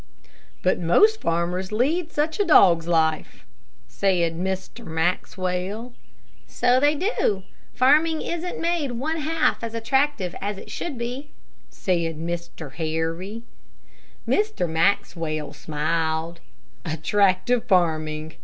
"But most farmers lead such a dog's life," said Mr. Maxwell. "So they do; farming isn't made one half as attractive as it should be," said Mr. Harry. Mr. Maxwell smiled. "Attractive farming.